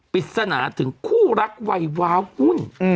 ปริศนาถึงคู่รักวัยว้าวหุ้น